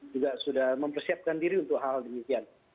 juga sudah mempersiapkan diri untuk hal hal demikian